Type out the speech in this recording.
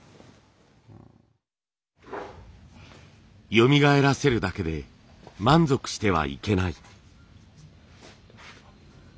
よみがえらせるだけで満足してはいけない。